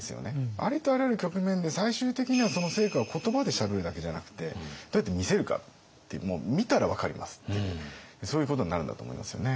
ありとあらゆる局面で最終的にはその成果を言葉でしゃべるだけじゃなくてどうやって見せるかってもう見たら分かりますっていうそういうことになるんだと思いますよね。